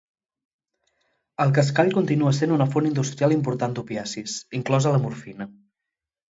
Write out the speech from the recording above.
El cascall continua sent una font industrial important d'opiacis, inclosa la morfina.